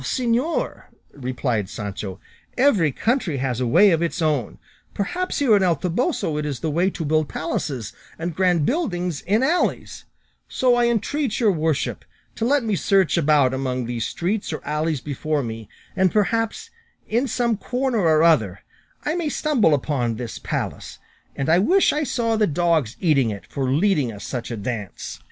"Señor," replied Sancho, "every country has a way of its own; perhaps here in El Toboso it is the way to build palaces and grand buildings in alleys; so I entreat your worship to let me search about among these streets or alleys before me, and perhaps, in some corner or other, I may stumble on this palace and I wish I saw the dogs eating it for leading us such a dance."